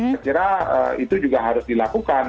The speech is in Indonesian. saya kira itu juga harus dilakukan